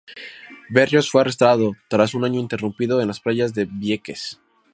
Berríos fue arrestado tras un año ininterrumpido en las playas de Vieques.